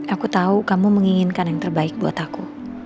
aku tahu kamu menginginkan yang terbaik buat aku